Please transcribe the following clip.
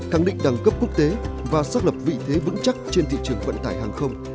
khẳng định đẳng cấp quốc tế và xác lập vị thế vững chắc trên thị trường vận tải hàng không